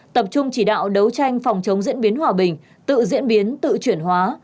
tập trung chỉ đạo đấu tranh phòng chống diễn biến hòa bình tự diễn biến tự chuyển hóa